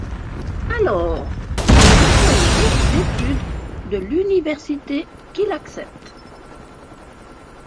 Alors, il reçoit une bourse d'étude de l'université qu'il accepte.